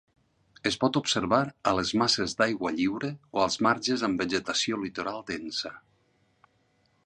Es pot observar a les masses d'aigua lliure o als marges amb vegetació litoral densa.